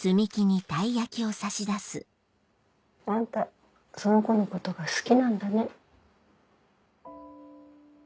あんたその子のことが好きなんだね。